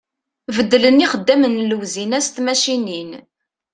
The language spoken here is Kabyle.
Beddlen ixeddamne n lewzin-a s tmacicin.